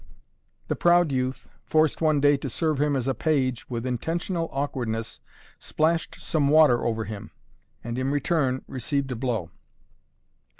The proud youth, forced one day to serve him as a page, with intentional awkwardness, splashed some water over him and in return received a blow.